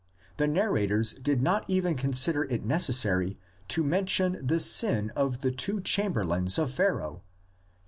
The narrators did not even consider it necessary to mention the sin of the two chamberlains of Pharaoh (xli.